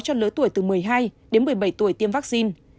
cho lứa tuổi từ một mươi hai đến một mươi bảy tuổi tiêm vaccine